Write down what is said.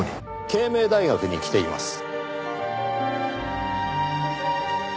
慶明大学に来ています。